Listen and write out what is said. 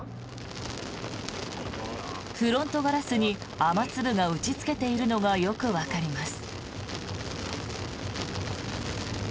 フロントガラスに雨粒が打ちつけているのがよくわかります。